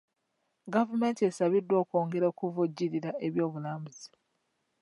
Gavumenti esabiddwa okwongera okuvujjirira eby'obulambuzi.